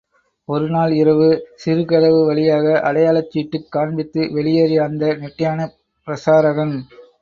ஒருநாள் இரவு சிறுகதவு வழியாக அடையாளச் சீட்டுக் காண்பித்து வெளியேறிய அந்த நெட்டையான பிரசாரகன்.